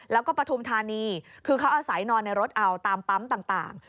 แล้วก็ปฐุมธานีคือเขาอาศัยนอนในรถเอาตามปั๊มต่าง